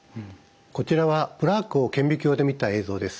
こちらはプラークを顕微鏡で見た映像です。